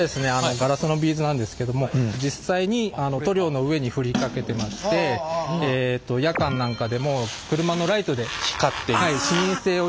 ガラスのビーズなんですけども実際に塗料の上に振りかけてまして夜間なんかでも車のライトで光って視認性をよくするためにまいています。